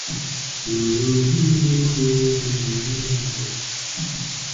Walker, who was raised in a Mormon household, later became a non-denominational Christian.